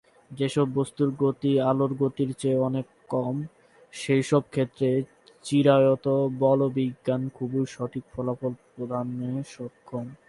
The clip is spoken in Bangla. যে সব বস্তুর গতি আলোর গতির চেয়ে অনেক অনেক কম, সেইসব ক্ষেত্রে চিরায়ত বলবিজ্ঞান খুবই সঠিক ফলাফল প্রদানে সক্ষম।